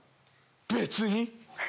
別に。